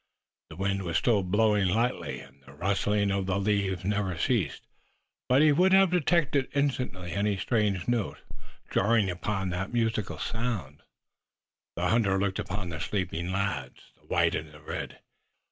The wind was still blowing lightly, and the rustling of the leaves never ceased, but he would have detected instantly any strange note, jarring upon that musical sound. The hunter looked upon the sleeping lads, the white and the red.